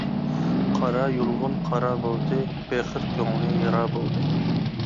قارايۇلغۇن قارا بولدى، پېقىر كۆڭلى يارا بولدى.